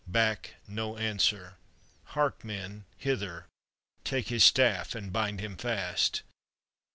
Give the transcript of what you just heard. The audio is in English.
Back! No answer 1 Hark, men, hither! Take his staff and bind him fast."